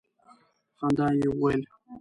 په خندا یې وویل.